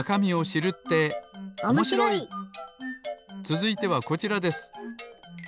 つづいてはこちらです。